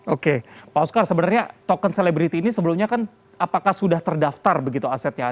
oke pak oscar sebenarnya token selebriti ini sebelumnya kan apakah sudah terdaftar begitu asetnya